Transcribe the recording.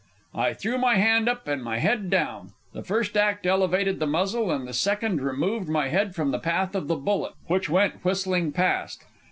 I threw my hand up and my head down. The first act elevated the muzzle, and the second removed my head from the path of the bullet which went whistling past.